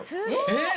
えっ！？